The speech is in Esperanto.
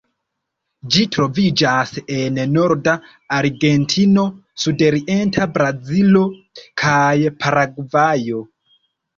Ĝi troviĝas en norda Argentino, sudorienta Brazilo kaj Paragvajo.